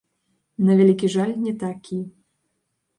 На вялікі жаль, не такі.